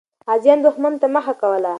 غازیان دښمن ته مخه کوله.